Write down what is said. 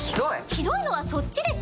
ひどいのはそっちです。